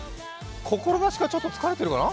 心なしか、ちょっと疲れてるかな？